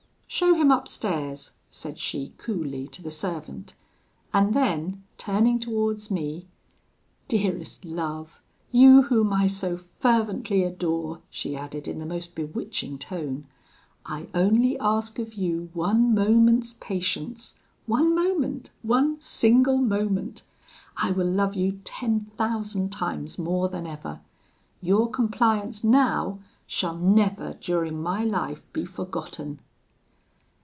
"'Show him upstairs,' said she coolly to the servant; and then turning towards me, 'Dearest love! you whom I so fervently adore,' she added in the most bewitching tone, 'I only ask of you one moment's patience; one moment, one single moment! I will love you ten thousand times more than ever: your compliance now shall never, during my life, be forgotten.'